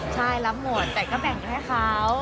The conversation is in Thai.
ใช่รับหมดแต่ก็แบ่งให้เขา